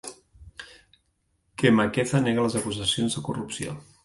Kemakeza nega les acusacions de corrupció.